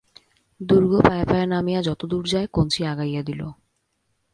দুর্গ পায়ে পায়ে নামিয়া যতদূর যায় কঞ্চি আগাইয়া দিল।